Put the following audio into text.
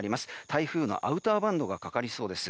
台風のアウターバンドがかかりそうです。